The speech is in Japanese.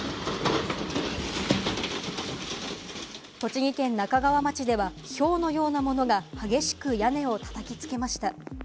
栃木県那珂川町ではひょうのようなものが激しく屋根をたたきつけました。